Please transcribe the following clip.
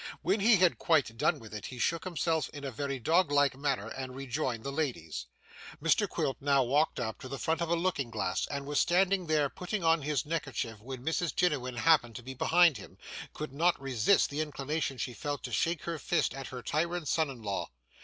When he had quite done with it, he shook himself in a very doglike manner, and rejoined the ladies. Mr Quilp now walked up to front of a looking glass, and was standing there putting on his neckerchief, when Mrs Jiniwin happening to be behind him, could not resist the inclination she felt to shake her fist at her tyrant son in law.